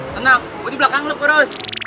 tenang gue di belakang lo kurois